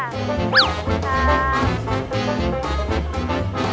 ขอบคุณค่ะ